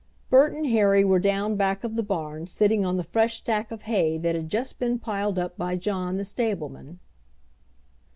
Bert and Harry were down back of the barn sitting on the fresh stack of hay that had just been piled up by John the stableman.